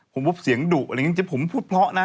ผมพบเสียงดุผมพูดเพราะนะ